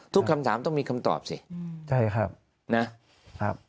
ทุกคำถามต้องมีคำตอบสิใช่ครับ